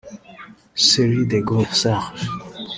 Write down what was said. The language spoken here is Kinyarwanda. Sery Dogo Serge